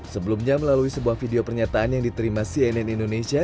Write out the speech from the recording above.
sebelumnya melalui sebuah video pernyataan yang diterima cnn indonesia